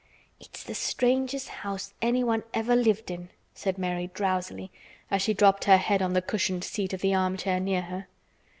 "It's the strangest house anyone ever lived in," said Mary drowsily, as she dropped her head on the cushioned seat of the armchair near her.